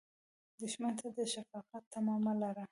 دښمن ته د شفقت تمه مه لره